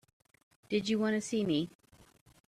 Did you want to see me?